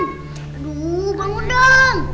aduh bangun dong